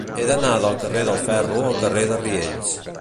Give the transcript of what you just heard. He d'anar del carrer del Ferro al carrer de Riells.